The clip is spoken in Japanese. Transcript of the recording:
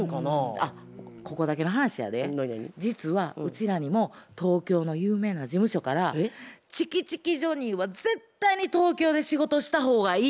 あっここだけの話やで実はうちらにも東京の有名な事務所から「チキチキジョニーは絶対に東京で仕事した方がいい。